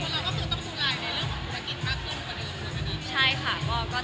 คุณคิดว่าคุณหรอกว่าคุณต้องสูหร่ายในเรื่องของบุโกนกลิ่น้อยมากขึ้นกว่าเดิมมากขึ้นเนี้ย